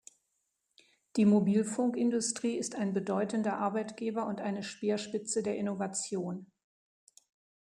Die Mobilfunkindustrie ist ein bedeutender Arbeitgeber und eine Speerspitze der Innovation.